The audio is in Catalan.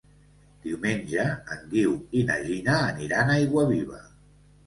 Diumenge en Guiu i na Gina aniran a Aiguaviva.